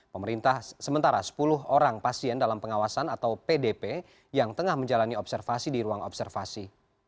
pemerintah sementara sepuluh orang pasien dalam pengawasan atau pdp yang tengah menjalani observasi di ruang observasi